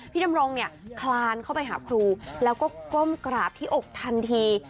ดำรงเนี่ยคลานเข้าไปหาครูแล้วก็ก้มกราบที่อกทันที